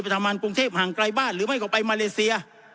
ทำงานกรุงเทพห่างไกลบ้านหรือไม่ก็ไปมาเลเซีย